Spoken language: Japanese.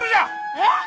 えっ！